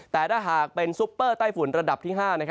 แต่ถ้าหากเป็นซุปเปอร์ใต้ฝุ่นระดับที่๕